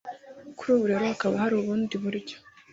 kuri ubu rero hakaba hari ubundi buryo